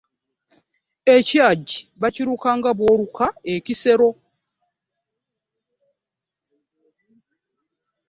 Ekyagi bakiruka nga bw'oluka ekisero.